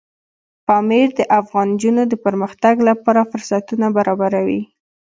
پامیر د افغان نجونو د پرمختګ لپاره فرصتونه برابروي.